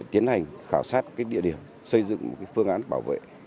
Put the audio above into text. tiến hành khảo sát địa điểm xây dựng phương án bảo vệ